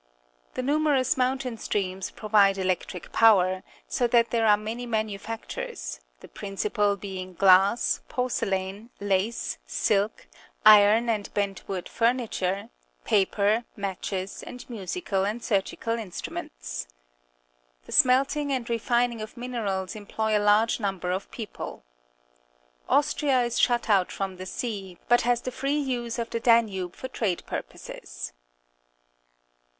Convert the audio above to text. The numerous mountain streams provide electric power, so that there are manj'^ manufactures, the principal being glass, porcelain, lace, silk, iron and bent wood furniture, paper, matches, and musical and surgical instruments. The smelting and refining of minerals employ a large number of people. Austria is shut out from the sea, but has the free use of the Danube for trade purposes.